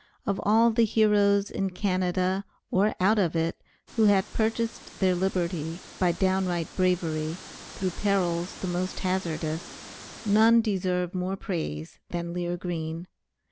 Of all the heroes in Canada, or out of it, who have purchased their liberty by downright bravery, through perils the most hazardous, none deserve more praise than Lear Green.